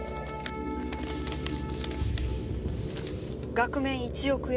額面１億円。